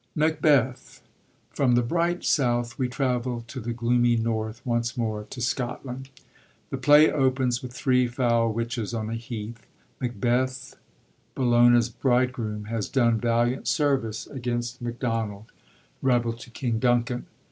Macbeth.— From the bright south we travel to the gloomy north once more, to Scotland. The play opens with three foul witches on a heath. Macbeth, ' Bellona's bridegroom,' has done valiant service against Macdonald, 133 MACBETH rebel to King Duncan.